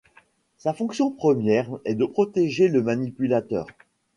Sa fonction première est de protéger le manipulateur.